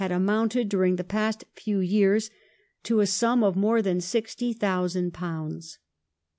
117 amounted, during the past few years, to a sum of more than sixty thousand pounds.